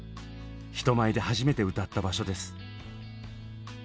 人前で初めて歌った場所です。